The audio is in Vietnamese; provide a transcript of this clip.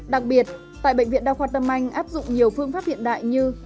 đặc biệt tại bệnh viện đa khoa tâm anh áp dụng nhiều phương pháp hiện đại như